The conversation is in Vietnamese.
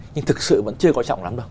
nhưng thực sự vẫn chưa có trọng lắm đâu